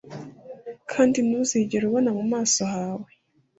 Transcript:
kandi ntuzigere ubona mu maso hawe